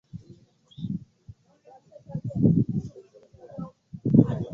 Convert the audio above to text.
miji kwa ukungu na moshi Viwango vinavyopungua huko